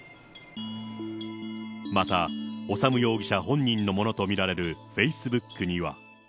また修容疑者本人のものと見られるフェイスブックには。